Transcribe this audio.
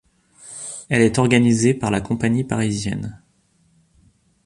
Elle est organisée par la Compagnie parisienne.